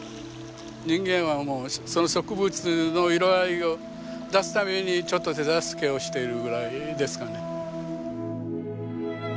人間は植物の色合いを出すためにちょっと手助けをしているぐらいですかね。